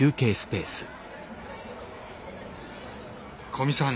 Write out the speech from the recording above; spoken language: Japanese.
古見さん